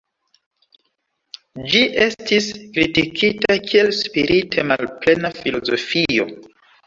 Ĝi estis kritikita kiel spirite malplena filozofio.